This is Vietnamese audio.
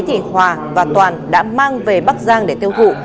thì hòa và toàn đã mang về bắc giang để tiêu thụ